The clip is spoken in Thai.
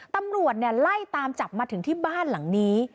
ตำรวจไล่ตามจับมาถึงที่บ้านหลังนี้